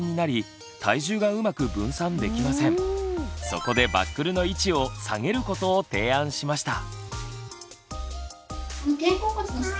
そこでバックルの位置を下げることを提案しました。